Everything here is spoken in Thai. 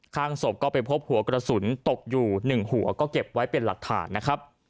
ข้างศพก็ไปพบหัวกระสุนตกอยู่๑หัวก็เก็บไว้เป็นหลักฐานนะครับ